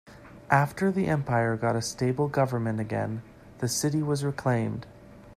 After the empire got a stable government again, the city was reclaimed.